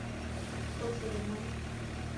Хто б вы думалі?